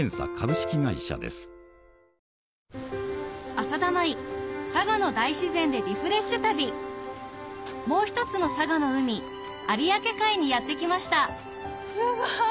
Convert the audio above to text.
浅田舞佐賀の大自然でリフレッシュ旅もう一つの佐賀の海有明海にやって来ましたすごい！